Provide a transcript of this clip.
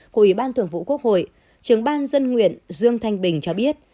của ủy ban thường vụ quốc hội trưởng ban dân nguyện dương thanh bình cho biết